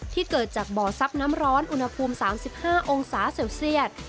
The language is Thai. ที่เกิดจากบ่อซับน้ำร้อนอุณหภูมิ๓๕องศาเศรษฐ์